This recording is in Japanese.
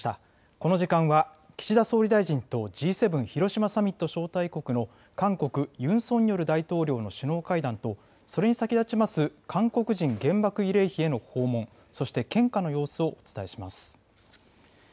この時間は、岸田総理大臣とＧ７広島サミット招待国の韓国、ユン・ソンニョル大統領の首脳会談と、それに先立ちます韓国人原爆慰霊碑への訪問、そして献花の様子をお伝えします。